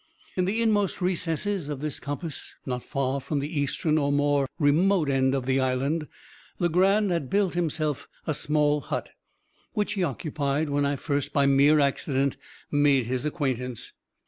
In the inmost recesses of this coppice, not far from the eastern or more remote end of the island, Legrand had built himself a small hut, which he occupied when I first, by mere accident, made his acquaintance.